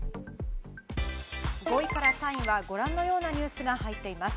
５位から３位はご覧のようなニュースが入っています。